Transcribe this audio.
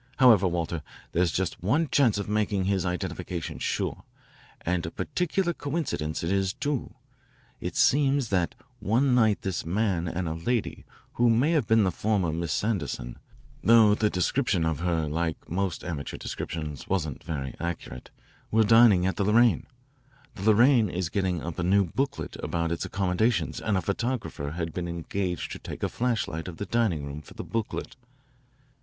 However, Walter, there's just one chance of making his identification sure, and a peculiar coincidence it is, too. It seems that one night this man and a lady who may have been the former Miss Sanderson, though the description of her like most amateur descriptions wasn't very accurate, were dining at the Lorraine. The Lorraine is getting up a new booklet about its accommodations and a photographer had been engaged to take a flashlight of the dining room for the booklet.